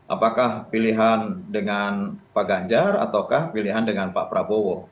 apakah pilihan dengan pak ganjar ataukah pilihan dengan pak prabowo